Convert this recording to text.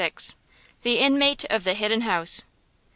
THE INMATE OF THE HIDDEN HOUSE.